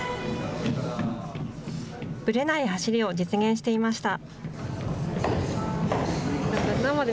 ぶれない走りを実現していました。